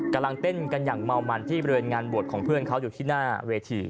กำลังเต้นกันอย่างเมามันที่บริเวณงานบวชของเพื่อนเขาอยู่ที่หน้าเวที